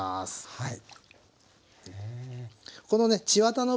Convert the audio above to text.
はい。